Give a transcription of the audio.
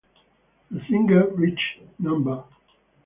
The single reached no.